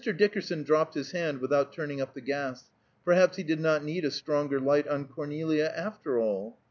Dickerson dropped his hand without turning up the gas; perhaps he did not need a stronger light on Cornelia, after all.